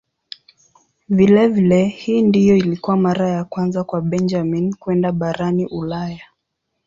Vilevile hii ndiyo ilikuwa mara ya kwanza kwa Benjamin kwenda barani Ulaya.